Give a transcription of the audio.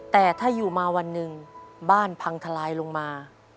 แต่ถ้าอยู่มาวันหนึ่งบ้านพังทลายลงมา